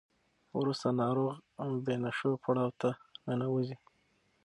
وروسته ناروغ بې نښو پړاو ته ننوځي.